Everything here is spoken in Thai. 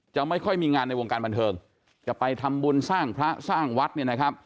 ไม่ค่อยมีงานในวงการบันเทิงจะไปทำบุญสร้างพระสร้างวัดเนี่ยนะครับ